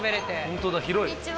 ホントだ広い。